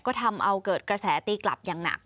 ก็ทำเอาเกิดกระแสตีกลับอย่างหนัก